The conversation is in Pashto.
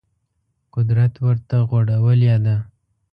قدرت ورته غوړولې ده